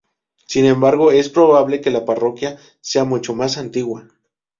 Sin embargo, es probable que la parroquia sea mucho más antigua.